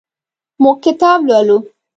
موږ کتاب لولو.